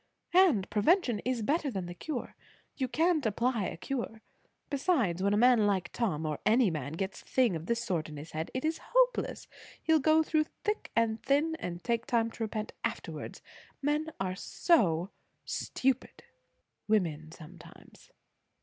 "And prevention is better than cure. You can't apply a cure, besides. When a man like Tom, or any man, once gets a thing of this sort in his head, it is hopeless. He'll go through thick and thin, and take time to repent afterwards. Men are so stupid!" "Women sometimes."